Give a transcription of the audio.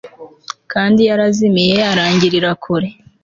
Kandi yarazimiye arangirira kure